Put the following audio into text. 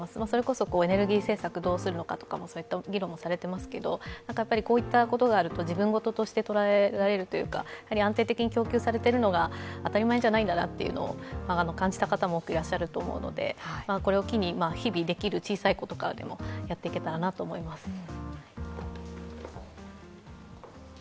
それこそエネルギー政策どうするのかといった議論もされていますがこういったことがあると自分事として捉えられるというか安定的に供給されているのが当たり前じゃないんだなというのを感じた方も多くいらっしゃると思うので、これを機に日々できる小さいことからでもやっていけたらと思います。